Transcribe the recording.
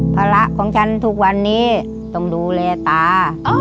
ภาระของฉันทุกวันนี้ต้องดูแลตา